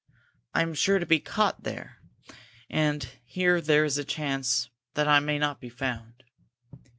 "I am sure to be caught there, and here there is a chance that I may not be found.